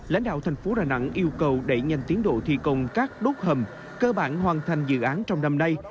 lãnh đạo thành phố đà nẵng yêu cầu đẩy nhanh tiến độ thi công các đốt hầm cơ bản hoàn thành dự án trong năm nay